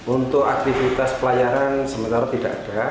untuk aktivitas pelayaran sementara tidak ada